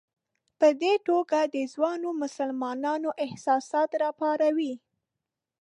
په دې توګه د ځوانو مسلمانانو احساسات راپاروي.